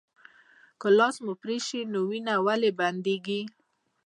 که لاس مو پرې شي نو وینه ولې بندیږي